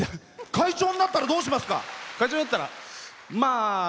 会長になったらどうしますか？